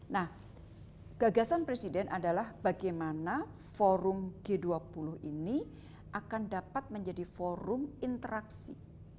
nah gagasan presiden adalah bagaimana forum g dua puluh ini akan dapat menjadi forum interaksi